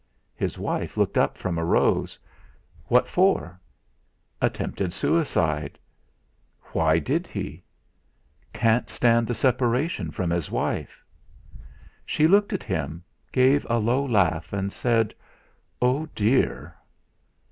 His wife looked up from a rose. "What for?" "Attempted suicide." "Why did he?" "Can't stand the separation from his wife." She looked at him, gave a low laugh, and said: "Oh dear!"